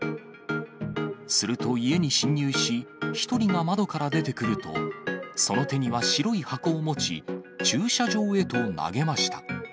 すると家に侵入し、１人が窓から出てくると、その手には白い箱を持ち、駐車場へと投げました。